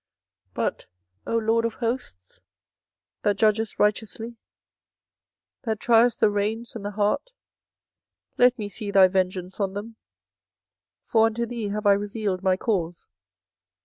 24:011:020 But, O LORD of hosts, that judgest righteously, that triest the reins and the heart, let me see thy vengeance on them: for unto thee have I revealed my cause.